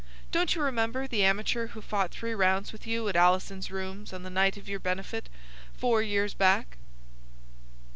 Don't you remember the amateur who fought three rounds with you at Alison's rooms on the night of your benefit four years back?"